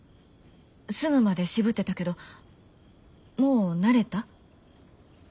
住むまで渋ってたけどもう慣れた？